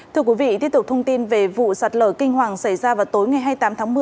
thưa quý vị tiếp tục thông tin về vụ sạt lở kinh hoàng xảy ra vào tối ngày hai mươi tám tháng một mươi